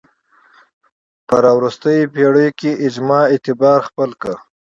په راوروسته پېړیو کې اجماع اعتبار خپل کړ